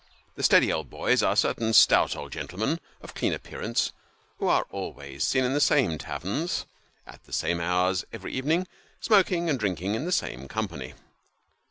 The steady old boys are certain stout old gentlemen of clean appearance, who are always to be seen in the same taverns, at the same hours every evening, smoking and drinking in the same company.